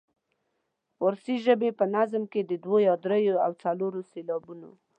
فارسي ژبې په نظم کې د دوو یا دریو او څلورو سېلابونو.